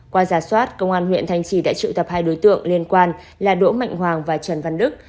qua giả soát công an huyện thanh trì đã triệu tập hai đối tượng liên quan là đỗ mạnh hoàng và trần văn đức